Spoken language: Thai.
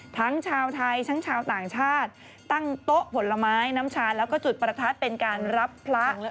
ทั้งชาวไทยทั้งชาวต่างชาติตั้งโต๊ะผลไม้น้ำชาญแล้วก็จุดประทัดเป็นการรับพระ